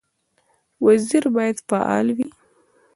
وزیر باید فعال وي